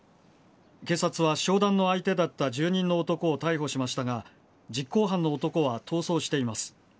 警察は商談の相手だった住人の男を逮捕しましたが実行犯の男は逃走しています。